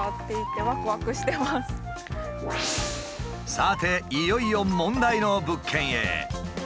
さていよいよ問題の物件へ。